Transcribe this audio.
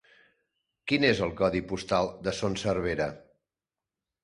Quin és el codi postal de Son Servera?